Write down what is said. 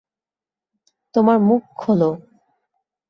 তোমার মুখ খোলো!